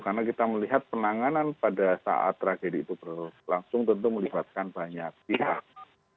karena kita melihat penanganan pada saat tragedi itu berlangsung tentu melibatkan banyak pihak